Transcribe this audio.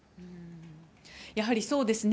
やはりそうですね。